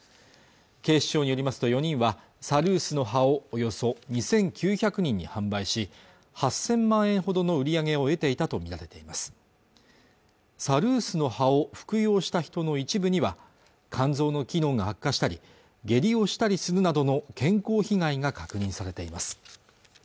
警視庁によりますと４人はサルースの葉をおよそ２９００人に販売し８０００万円ほどの売り上げを得ていたと見られていますサルースの葉を服用した人の一部には肝臓の機能が悪化したり下痢をしたりするなどの健康被害が確認されています